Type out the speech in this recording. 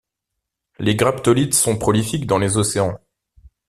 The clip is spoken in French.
Les graptolites sont prolifiques dans les océans.